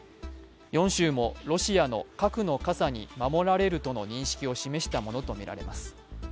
４州もロシアの核の傘に守られるとの認識を示したものとみられます。